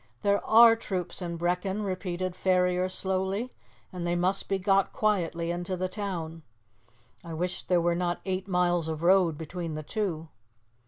"There are troops in Brechin," repeated Ferrier slowly, "and they must be got quietly into the town. I wish there were not eight miles of road between the two."